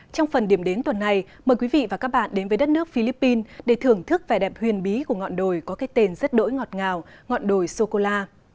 trong phần điểm đến tuần này mời quý vị và các bạn đến với đất nước philippines để thưởng thức vẻ đẹp huyền bí của ngọn đồi có cái tên rất đỗi ngọt ngào ngọn đồi sô cô la